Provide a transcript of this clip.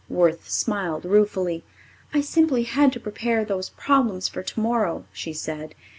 Worth smiled ruefully. "I simply had to prepare those problems for tomorrow," she said.